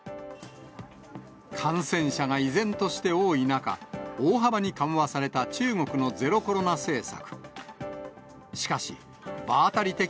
感染者が依然として多い中、大幅に緩和された中国のゼロコロナ政策。